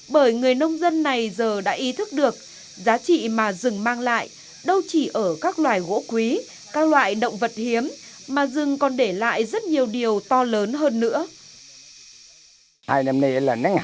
bởi người nông dân này giờ đã ý thức được giá trị mà rừng mang lại đâu chỉ ở các loài gỗ quý các loại động vật hiếm mà rừng còn để lại rất nhiều điều to lớn hơn nữa